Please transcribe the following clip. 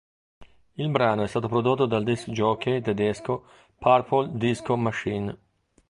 Il brano è stato prodotto dal disc jockey tedesco Purple Disco Machine.